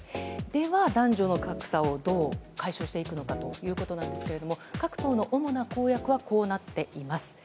男女の格差をどう解消していくのかですが各党の主な公約はこうなっています。